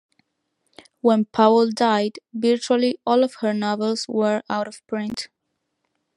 When Powell died, virtually all of her novels were out of print.